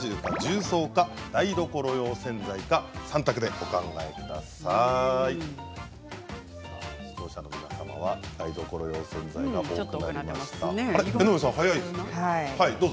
３択でお考えください。